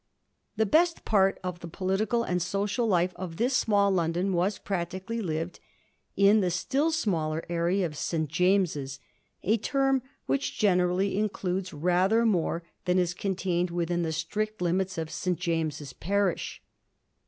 The best part of the political and social life of tWs small London was practically lived in the still smaller area of St. James's, a term which generally includes rather more than is contained within the strict limits of St. James's parish.